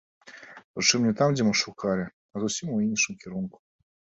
Прычым не там, дзе мы шукалі, а зусім у іншым кірунку.